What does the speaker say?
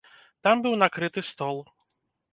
Там быў накрыты стол.